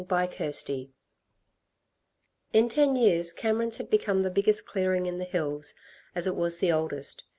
CHAPTER VII In ten years, Cameron's had become the biggest clearing in the hills, as it was the oldest.